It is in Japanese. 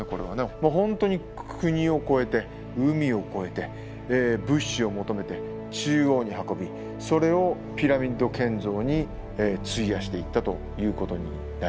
本当に国を越えて海を越えて物資を求めて中央に運びそれをピラミッド建造に費やしていったということになります。